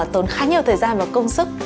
tốn khá nhiều thời gian và công sức